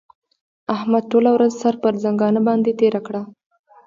احمد ټوله ورځ سر پر ځنګانه باندې تېره کړه.